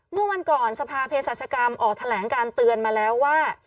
เมื่อวันก่อนสภาเพศศาสกรรมออกแถลงการเตือนมาแล้วว่า